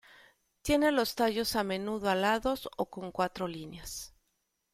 Tiene los tallos, a menudo, alados o con cuatro líneas.